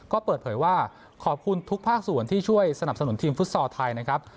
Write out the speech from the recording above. ก็เปิดเผยว่าขอบคุณทุกภาคส่วนที่ช่วยสนับสนุนทีมฟุตซอลไทยนะครับ